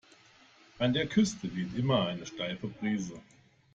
An der Küste weht immer eine steife Brise.